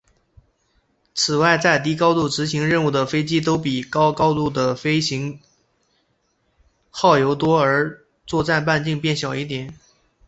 此外在低高度执行任务的飞机都比高高度的飞行耗油多而作战半径变小一点。